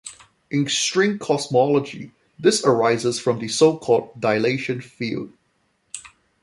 In string cosmology, this arises from the so-called dilaton field.